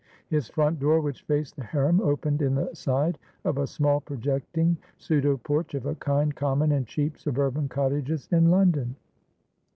His front door, which faced the harem, opened in the side of a small, projecting pseudo porch of a kind common in cheap suburban cottages in London.